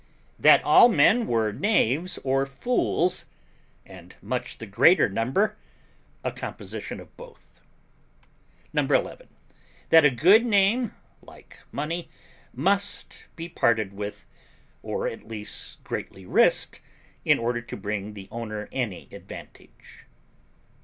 That all men were knaves or fools, and much the greater number a composition of both. 11. That a good name, like money, must be parted with, or at least greatly risqued, in order to bring the owner any advantage.